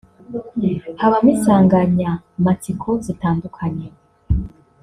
habamo insanganyamatsiko zitandukanye